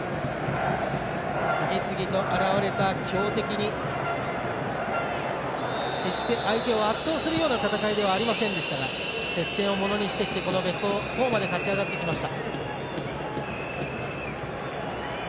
次々と現れた強敵に決して相手を圧倒するような戦いではありませんでしたが接戦をものにしてきてベスト４まで勝ち上がってきました。